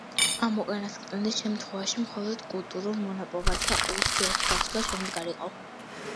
ამ უკანასკნელის შემთხვევაში მხოლოდ კულტურულ მონაპოვართა ურთიერთგაცვლა შემდგარიყო.